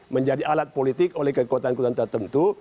menjadi alat politik oleh kekuatan kekuatan tertentu